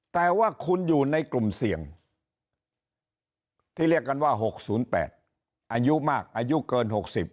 แต่ว่าคุณอยู่ในกลุ่มเสี่ยงที่เรียกกันว่า๖๐๘อายุมากอายุเกิน๖๐